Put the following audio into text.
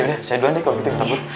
ya udah saya duluan deh kalau gitu